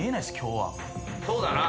そうだな。